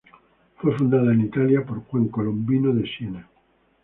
Fue fundada en Italia por Juan Colombino de Siena.